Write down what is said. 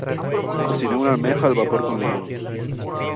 Cociné una almeja al vapor con limón.